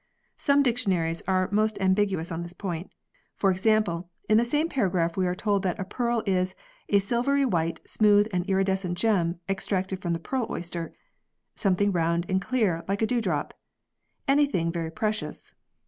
Some dic tionaries are most ambiguous on this point. For example, in the same paragraph we are told that a pearl is "a silvery white smooth and iridescent gem, extracted from the pearl oyster"; "something round and clear, like a dewdrop"; "anything very precious."